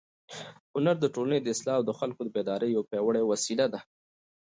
هنر د ټولنې د اصلاح او د خلکو د بیدارۍ یوه پیاوړې وسیله ده.